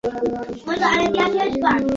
এরপর তিনি অবসর গ্রহণ করেন।